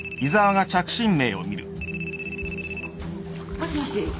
もしもし？